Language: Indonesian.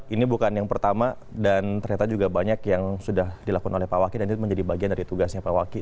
ini bukan yang pertama dan ternyata juga banyak yang sudah dilakukan oleh pak wakil dan itu menjadi bagian dari tugasnya pak waki